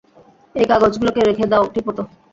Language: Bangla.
এই কাগজ গুলাকে, রেখে দাও ঠিকমতো।